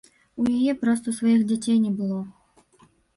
У яе проста сваіх дзяцей не было.